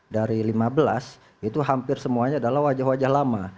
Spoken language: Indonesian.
dari lima belas itu hampir semuanya adalah wajah wajah lama